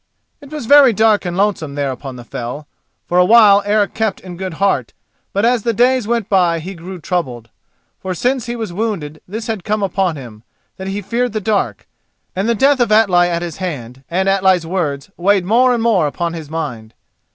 It was very dark and lonesome there upon the fell. For a while Eric kept in good heart, but as the days went by he grew troubled. For since he was wounded this had come upon him, that he feared the dark, and the death of Atli at his hand and Atli's words weighed more and more upon his mind.